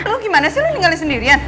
lu gimana sih lu tinggalin sendirian